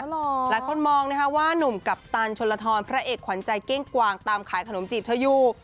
หลายคนมองนะคะว่านุ่มกัปตันชนลทรพระเอกขวัญใจเก้งกวางตามขายขนมจีบเธออยู่